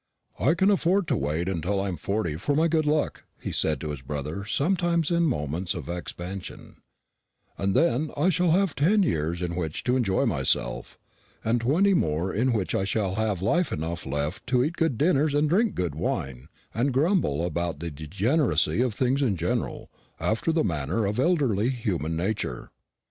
"I can afford to wait till I'm forty for my good luck," he said to his brother sometimes in moments of expansion; "and then I shall have ten years in which to enjoy myself, and twenty more in which I shall have life enough left to eat good dinners and drink good wine, and grumble about the degeneracy of things in general, after the manner of elderly human nature."